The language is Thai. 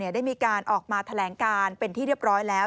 ได้มีการออกมาแถลงการเป็นที่เรียบร้อยแล้ว